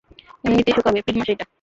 এম্নিতেই শুকাবে, এপ্রিল মাস এইটা।